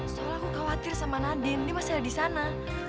soalnya aku khawatir sama nadiem ini masih ada di sana